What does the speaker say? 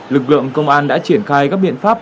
lực lượng công an đã triển khai các biện pháp